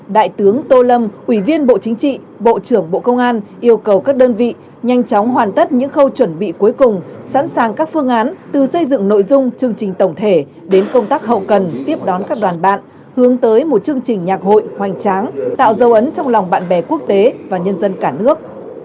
đại tướng tô lâm ủy viên bộ chính trị bộ trưởng bộ công an yêu cầu các đơn vị nhanh chóng hoàn tất những khâu chuẩn bị cuối cùng sẵn sàng các phương án từ xây dựng nội dung chương trình tổng thể đến công tác hậu cần tiếp đón các đoàn bạn hướng tới một chương trình nhạc hội hoành tráng tạo dấu ấn trong lòng bạn bè quốc tế và nhân dân cả nước